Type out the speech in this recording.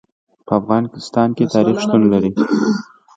په افغانستان کې تاریخ شتون لري.